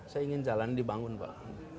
saya ingin jalan dibangun pak